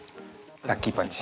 ラッキーパンチ。